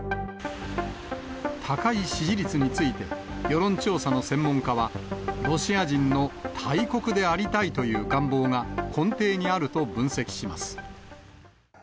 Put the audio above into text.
高い支持率について、世論調査の専門家は、ロシア人の大国でありたいという願望が根底にあると分析します。